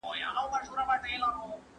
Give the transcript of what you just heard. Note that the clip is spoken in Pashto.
طبيعي منابع بايد وساتل سي.